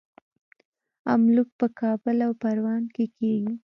املوک په کابل او پروان کې کیږي.